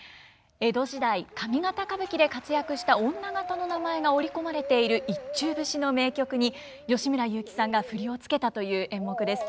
江戸時代上方歌舞伎で活躍した女方の名前が織り込まれている一中節の名曲に吉村雄輝さんが振りを付けたという演目です。